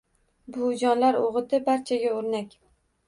Buvijonlar o‘giti barchaga o‘rnak